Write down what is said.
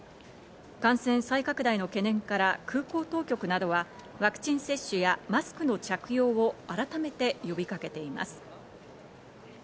感染再拡大の懸念から空港当局などはワクチン接種やマスクの着用を改めて呼びかけています。